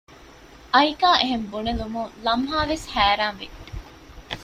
އައިކާ އެހެން ބުނެލުމުން ލަމްހާވެސް ހައިރާންވި